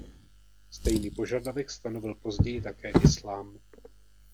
Stejný požadavek stanovil později také islám.